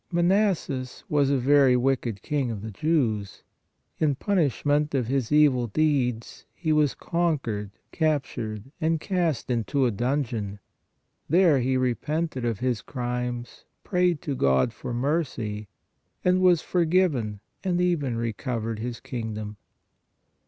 Manasses was a very wicked king of the Jews. In punishment of his evil deeds he was con quered, captured and cast into a dungeon; there he repented of his crimes, prayed to God for mercy, and was forgiven and even recovered his kingdom.